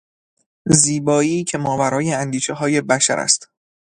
زیبایی که ماورای اندیشههای بشر است